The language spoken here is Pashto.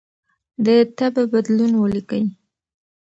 د تبه بدلون ولیکئ.